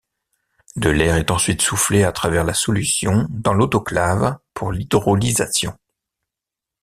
De l'air est ensuite soufflé à travers la solution dans l'autoclave pour l’hydrolysation.